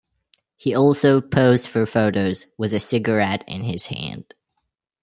He also posed for photos, with a cigarette in his hand.